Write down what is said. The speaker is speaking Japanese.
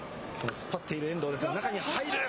突っ張っている遠藤ですが、中に入る。